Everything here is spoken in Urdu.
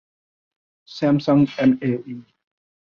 Samsung M A E